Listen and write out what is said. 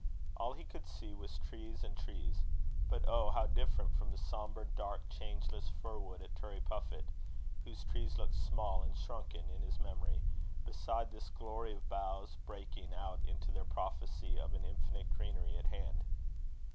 All he could see was trees and trees. But oh! how different from the sombre, dark, changeless fir wood at Turriepuffit! whose trees looked small and shrunken in his memory, beside this glory of boughs, breaking out into their prophecy of an infinite greenery at hand.